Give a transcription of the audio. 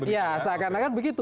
iya seakan akan begitu